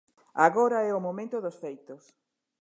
Agora é o momento dos feitos.